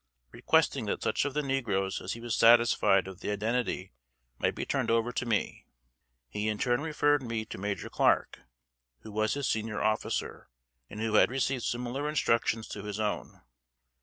requesting that such of the negroes as he was satisfied of the identity might be turned over to me; he in turn referred me to Major Clark who was his senior officer, and who had received similar instructions to his own.